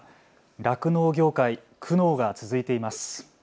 酪農業界、苦悩が続いています。